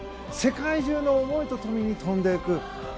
世界中の思いと共に跳んでいく。